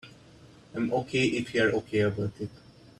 I'm OK if you're OK about it.